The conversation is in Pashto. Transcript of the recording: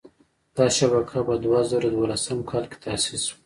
دا شبکه په دوه زره دولسم کال کې تاسیس شوه.